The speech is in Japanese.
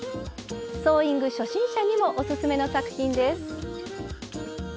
ソーイング初心者にもオススメの作品です。